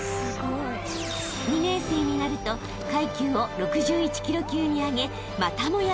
［２年生になると階級を６１ｋｇ級に上げまたもや